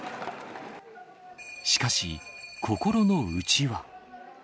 しかし、心の内は。